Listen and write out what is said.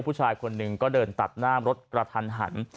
ผู้ชายคนหนึ่งก็เดินตัดหน้ารถกระทันหัน